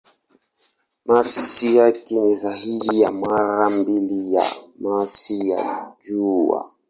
Masi yake ni zaidi ya mara mbili ya masi ya Jua.